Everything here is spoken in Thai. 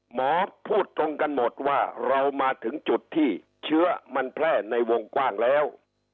หมอพูดตรงกันหมดว่าเรามาถึงจุดที่เชื้อมันแพร่ในวงกว้างแล้ว